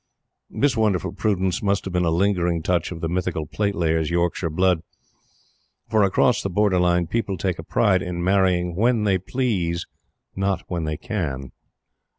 This wonderful prudence must have been a lingering touch of the mythical plate layer's Yorkshire blood; for across the Borderline people take a pride in marrying when they please not when they can.